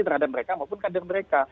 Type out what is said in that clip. terhadap mereka maupun kader mereka